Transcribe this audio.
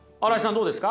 どうですか？